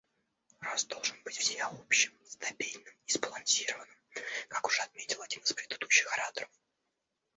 Рост должен быть всеобщим, стабильным и сбалансированным, как уже отметил один из предыдущих ораторов.